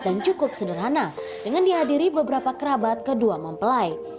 dan cukup sederhana dengan dihadiri beberapa kerabat kedua mempelai